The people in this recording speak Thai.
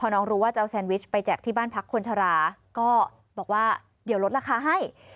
น้องรู้ว่าจะเอาแซนวิชไปแจกที่บ้านพักคนชราก็บอกว่าเดี๋ยวลดราคาให้